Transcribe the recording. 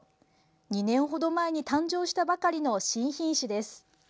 ２年程前に誕生したばかりの新品種です。